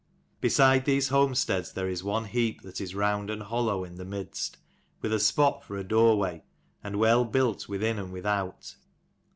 Beside these homesteads there is one heap that is round and hollow in the midst, with a spot for a doorway, and well built within and without.